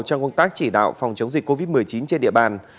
trong công tác chỉ đạo phòng chống dịch covid một mươi chín trên địa bàn